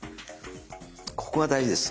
ここが大事です。